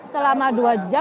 selama dua jam ya